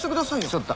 ちょっと。